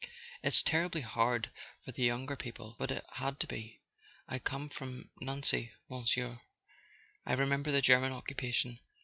"It's terribly hard for the younger people; but it had to be. I come from Nancy, Monsieur: I remember the German occupation.